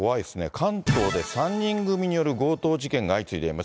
関東で３人組による強盗事件が相次いでいます。